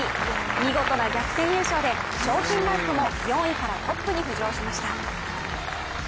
見事な逆転優勝で賞金ランクも４位からトップに浮上しました。